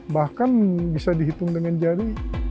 bahkan bisa dihitung dengan jari